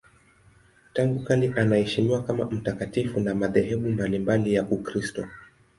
Tangu kale anaheshimiwa kama mtakatifu na madhehebu mbalimbali ya Ukristo.